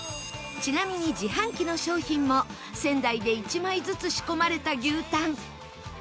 ちなみに自販機の商品も仙台で一枚ずつ仕込まれた牛たん